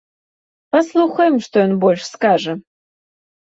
Паслухаем, што ён больш скажа.